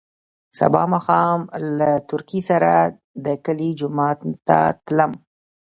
سبا ماښام له تورکي سره د کلي جومات ته تلم.